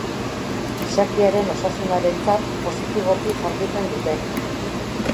Gizakiaren osasunarentzat positiboki jarduten dute.